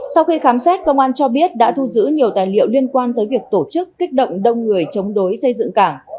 sau khi khám xét công an cho biết đã thu giữ nhiều tài liệu liên quan tới việc tổ chức kích động đông người chống đối xây dựng cảng